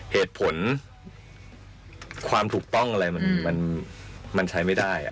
เหตุผลความถูกต้องอะไรมันใช้ไม่ได้